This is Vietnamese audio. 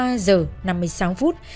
ngày hai mươi ba h năm mươi sáu phút